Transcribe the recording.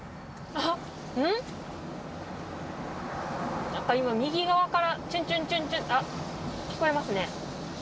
なんか今、右側から、ちゅんちゅんちゅんちゅん、あっ、聞こえますね。